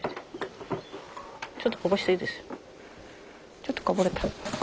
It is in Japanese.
ちょっとこぼれた。